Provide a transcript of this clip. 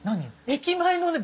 駅前のね